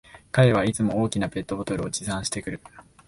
彼はいつも大きなペットボトルを持参してくる